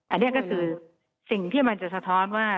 อันนี้ก็คือสิ่งที่มันจะสะท้อนว่า